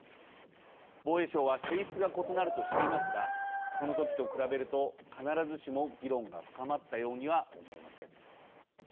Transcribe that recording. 防衛省は、性質が異なるとしていますがその時と比べると必ずしも議論が深まったようには思えません。